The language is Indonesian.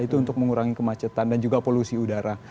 itu untuk mengurangi kemacetan dan juga polusi udara